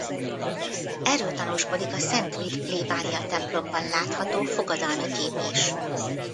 Erről tanúskodik a Szent Vid plébániatemplomban látható fogadalmi kép is.